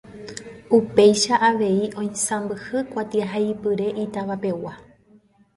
Upéicha avei oisãmbyhy kuatiahaipyre itavapegua.